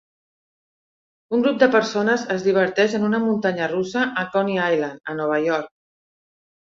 Un grup de persones es diverteix en una muntanya russa a Coney Island, a Nova York.